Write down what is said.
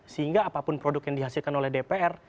sehingga apapun produk yang dihasilkan oleh dpr